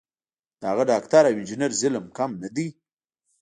د هغه ډاکټر او انجینر ظلم کم نه دی.